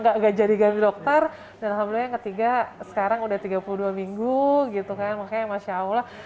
enggak jadi ganti dokter dan alhamdulillah yang ketiga sekarang udah tiga puluh dua minggu gitu kan makanya masya allah